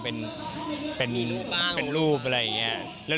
เป็นรูปอะไรอย่างนี้